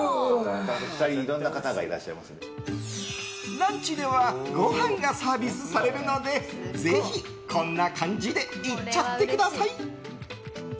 ランチではご飯がサービスされるのでぜひ、こんな感じでいっちゃってください！